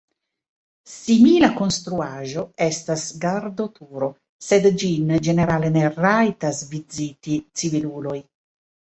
Simila konstruaĵo estas gardoturo, sed ĝin ĝenerale ne rajtas viziti civiluloj.